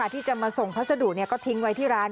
ที่จะมาส่งพัสดุก็ทิ้งไว้ที่ร้าน